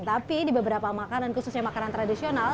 tapi di beberapa makanan khususnya makanan tradisional